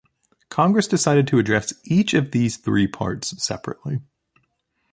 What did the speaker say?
Congress decided to address each of these three parts separately.